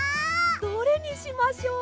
どれにしましょう？